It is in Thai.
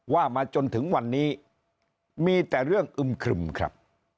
ว่ามาจนถึงวันนี้มีแต่เรื่องอึมครึมครับ